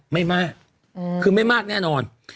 ไม่มากคือไม่มากแน่นอน